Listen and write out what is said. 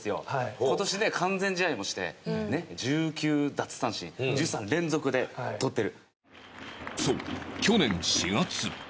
今年ね完全試合もして１９奪三振１３連続でとってる。